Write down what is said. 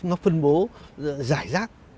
nó phân bố rải rác